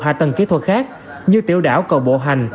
hạ tầng kỹ thuật khác như tiểu đảo cầu bộ hành